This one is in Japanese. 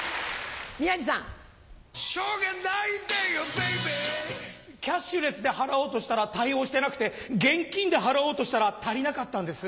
Ｂａｂｙキャッシュレスで払おうとしたら対応してなくて現金で払おうとしたら足りなかったんです。